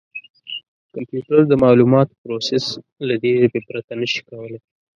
کمپیوټر د معلوماتو پروسس له دې ژبې پرته نه شي کولای.